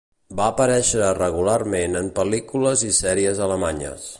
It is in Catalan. Va aparèixer regularment en pel·lícules i sèries alemanyes.